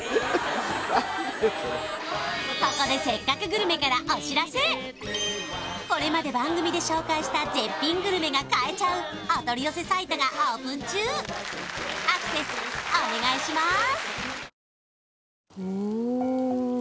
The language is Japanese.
ここでこれまで番組で紹介した絶品グルメが買えちゃうお取り寄せサイトがオープン中アクセスお願いします！